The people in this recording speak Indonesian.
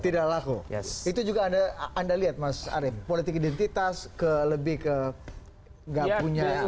tidak laku ya itu juga ada anda lihat mas arief politik identitas ke lebih ke nggak punya